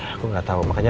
aku gak tahu makanya